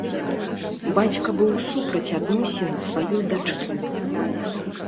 Бацька быў супраць адносін сваёй дачкі.